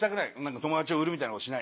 友達を売るみたいなことしない。